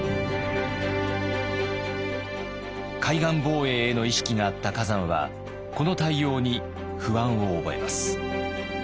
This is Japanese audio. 海岸防衛への意識があった崋山はこの対応に不安を覚えます。